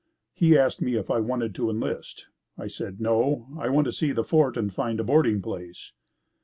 He asked me if I wanted to enlist. I said, "No, I want to see the fort, and find a boarding place."